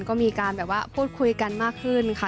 ก็มีการแบบว่าพูดคุยกันมากขึ้นค่ะ